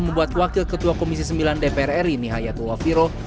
membuat wakil ketua komisi sembilan dpr ri nihaya tua firoh